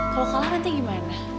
kalau kalah nanti gimana